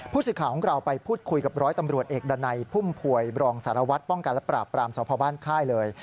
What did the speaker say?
ผู้สื่อข่าวของเราไปพูดคุยกับร้อยตำรวจเอกดันัยพุ่มพวยบรองสารวัตรป้องกันและปราบปรามสพบ้านค่ายเลย